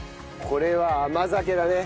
これは甘酒だね。